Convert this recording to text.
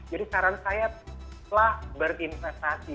jadi saran saya setelah berinvestasi